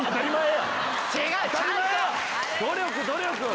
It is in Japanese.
努力努力！